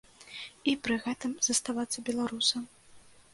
І пры гэтым заставацца беларусам.